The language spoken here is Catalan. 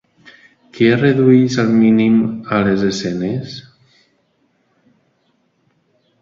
Què es redueix al mínim a les escenes?